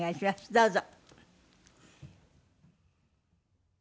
どうぞ。